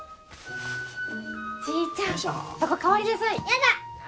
ちーちゃんそこ代わりなさい！嫌だ！